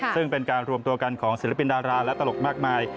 ซึ่งเป็นการรวมตัวกันของศิลปินดาราและตลกมากมาย